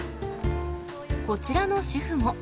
こちらの主婦も。